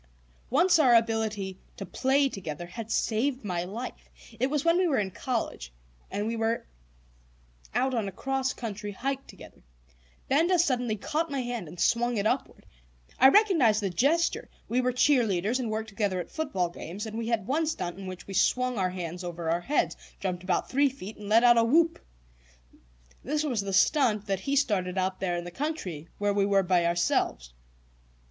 Once our ability to "play together" had saved my life. It was when we were in college and were out on a cross country hike together; Benda suddenly caught my hand and swung it upward. I recognized the gesture; we were cheerleaders and worked together at football games, and we had one stunt in which we swung our hands over our heads, jumped about three feet, and let out a whoop. This was the "stunt" that he started out there in the country, where we were by ourselves.